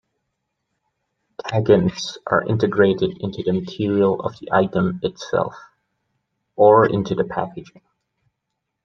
Taggants are integrated into the material of the item itself or into the packaging.